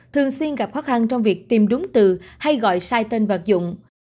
thường xuyên gặp khó khăn trong việc tìm đúng từ hay gọi sai tên vật dụng